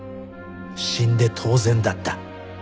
死んで当然だった